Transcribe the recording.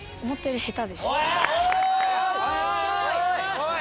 おい！